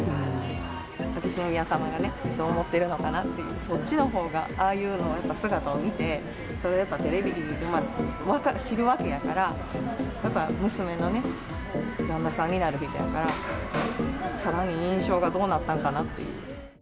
秋篠宮さまがどう思ってるのかなって、そっちのほうが、ああいうの、やっぱり姿を見て、それをやっぱテレビで知るわけやから、やっぱ娘のね、旦那さんになる人やから、さらに印象がどうなったんかなっていう。